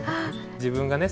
自分がね